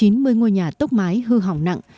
chín mươi ngôi nhà tốc mái hư hỏng nặng